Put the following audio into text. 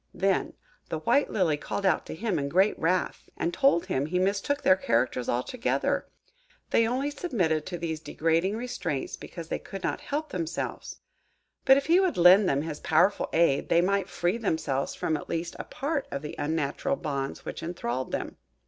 Then the white Lily called out to him in great wrath, and told him he mistook their characters altogether. They only submitted to these degrading restraints because they could not help themselves; but if he would lend them his powerful aid, they might free themselves from at least a part of the unnatural bonds which enthralled them.